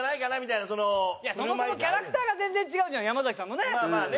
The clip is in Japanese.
いやそもそもキャラクターが全然違うじゃん山崎さんのね。